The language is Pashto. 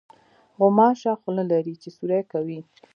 غوماشه خوله لري چې سوري کوي.